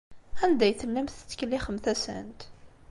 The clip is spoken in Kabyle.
Anda ay tellamt tettkellixemt-asent?